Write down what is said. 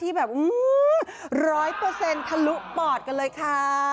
ที่แบบร้อยเปอร์เซ็นต์ทะลุปอดกันเลยค่ะ